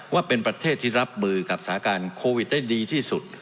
ว่าเป็นประเทศที่รับมือกับสถานการณ์โควิดได้ดีที่สุด